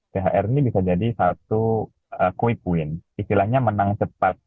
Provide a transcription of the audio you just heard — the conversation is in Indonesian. thr ini bisa jadi satu quick win istilahnya menang cepat